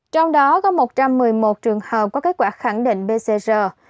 trong đó có một trăm một mươi một trường hợp có kết quả khẳng định pcr